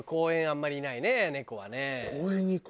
あんまりいないね猫はね。